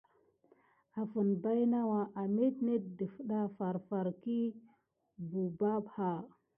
Afən baynawa amet ne ɗifta farfar kiy ɓubaha.